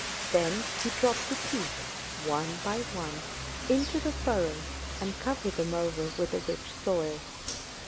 Then he dropped the teeth, one by one, into the furrows and covered them over with the rich soil.